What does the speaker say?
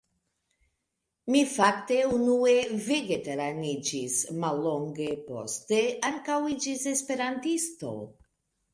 Mi fakte unue vegetaraniĝis, mallonge poste ankaŭ iĝis Esperantisto.